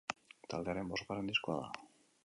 Taldearen bosgarren diskoa da.